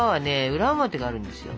裏表があるんですよ。